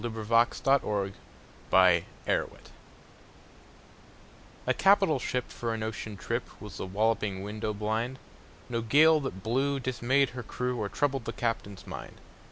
Y Z A Nautical Ballad A CAPITAL ship for an ocean trip Was The Walloping Window blind No gale that blew dismayed her crew Or troubled the captain's mind.